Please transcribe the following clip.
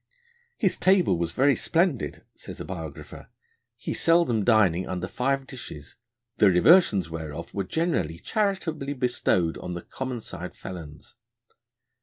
'His table was very splendid,' says a biographer: 'he seldom dining under five Dishes, the Reversions whereof were generally charitably bestow'd on the Commonside felons.'